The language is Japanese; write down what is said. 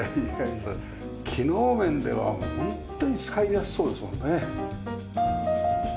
機能面ではホントに使いやすそうですもんね。